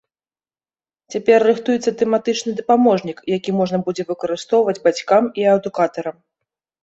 Цяпер рыхтуецца тэматычны дапаможнік, які можна будзе выкарыстоўваць бацькам і адукатарам.